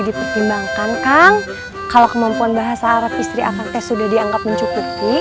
dipertimbangkan kang kalau kemampuan bahasa arab istri afak teh sudah dianggap mencukupi